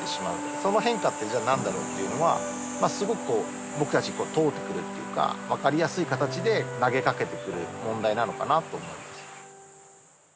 その変化ってじゃあ何だろうっていうのはすごくこう僕たちに問うてくるっていうか分かりやすい形で投げ掛けてくる問題なのかなと思います。